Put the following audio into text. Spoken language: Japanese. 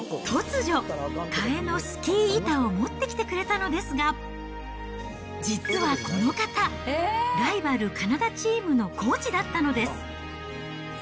突如、替えのスキー板を持ってきてくれたのですが、実はこの方、ライバル、カナダチームのコーチだったのです。